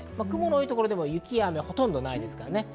雲が多いところでも雪や雨はほとんどないです。